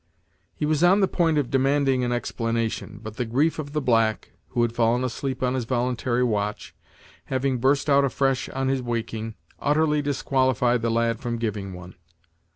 He was on the point of demanding an explanation; but the grief of the black, who had fallen asleep on his voluntary watch, having burst out afresh on his waking, utterly disqualified the lad from giving one.